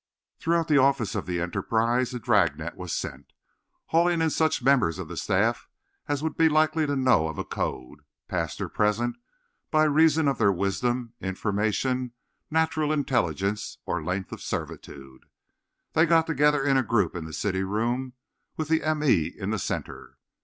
Throughout the office of the Enterprise a dragnet was sent, hauling in such members of the staff as would be likely to know of a code, past or present, by reason of their wisdom, information, natural intelligence, or length of servitude. They got together in a group in the city room, with the m. e. in the centre.